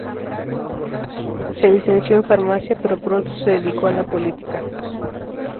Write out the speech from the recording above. Se licenció en farmacia, pero pronto se dedicó a la política.